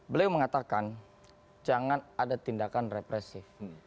beliau mengatakan jangan ada tindakan represif